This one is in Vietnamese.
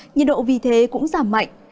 nhiệt độ vì thế cũng giảm mạnh